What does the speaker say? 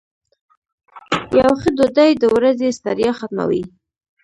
یو ښه ډوډۍ د ورځې ستړیا ختموي.